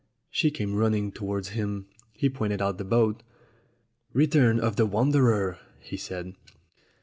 She came running towards him. He pointed out the boat. "Return of the wanderer," he said.